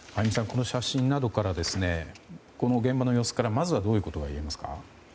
この写真などからこの現場の様子から、まずはどういうことが言えますか？